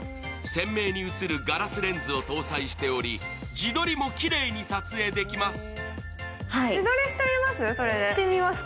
鮮明に写るガラスレンズを搭載しており、自撮りもきれいに撮影できます。